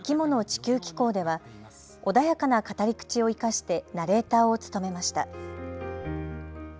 地球紀行では穏やかな語り口を生かしてナレーターを務めました。